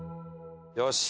よし！